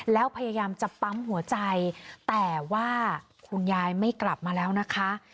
แล้วพยายามจะปั๊มหัวใจแต่ว่าคุณยายไม่กลับมาแล้วนะคะ